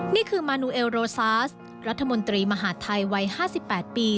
นี่คือมานูเอลโรซาสรัฐมนตรีมหาดไทยวัย๕๘ปี